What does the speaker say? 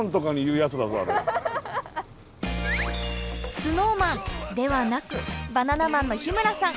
ＳｎｏｗＭａｎではなくバナナマンの日村さん。